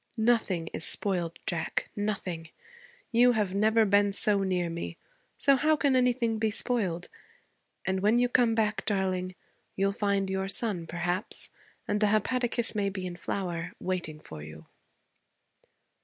'Nothing is spoiled, Jack, nothing. You have never been so near me so how can anything be spoiled? And when you come back, darling, you'll find your son, perhaps, and the hepaticas may be in flower, waiting for you.'